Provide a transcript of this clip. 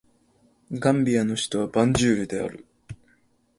ガンビアの首都はバンジュールである